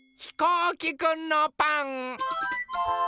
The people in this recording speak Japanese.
ひこうきくんのパン。